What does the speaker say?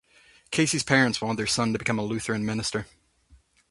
Carey's parents wanted their son to become a Lutheran minister.